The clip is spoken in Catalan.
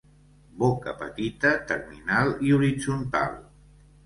Boca petita, terminal i horitzontal.